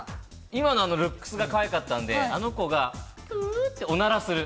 今のルックスがかわいかったんで、あの子がプって、おならする。